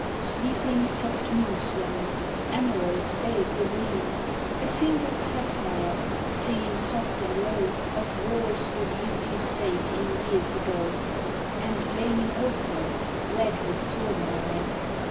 Sleeping soft moonstone, emerald's baleful green, A single sapphire, singing soft and low Of wars for beauty's sake in years ago, And flaming opal wed with tourmaline.